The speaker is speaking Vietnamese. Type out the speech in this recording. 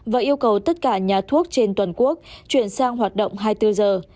và yêu cầu tất cả nhà thuốc trên toàn quốc chuyển sang hoạt động hai mươi bốn giờ